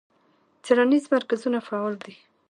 څیړنیز مرکزونه فعال دي.